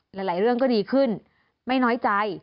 หลายเรื่องก็ดีขึ้นไม่น้อยใจ